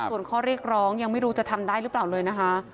ส่วนข้อเรียกร้องยังไม่รู้จะทำได้หรือเปล่าเลยนะคะ